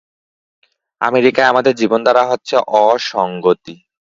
আমেরিকায় আমাদের জীবনধারা হচ্ছে অসঙ্গতি।